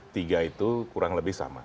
tiga itu kurang lebih sama